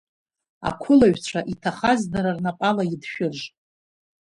Ақәылаҩцәа иҭахаз дара рнапала идшәырж.